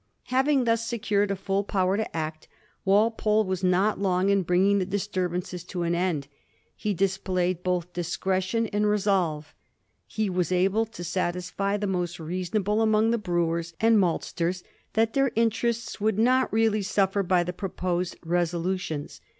Having thus secured a full power to act, Walpole was not long in bringing the disturbances to an end. He displayed both discretion and resolve. He was able to satisfy the most reasonable among the brewers and maltsters that their interests would not really suflfer by the proposed resolutions.